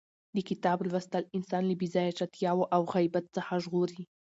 د کتاب لوستل انسان له بې ځایه چتیاو او غیبت څخه ژغوري.